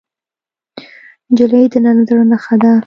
نجلۍ د نرم زړه نښه ده.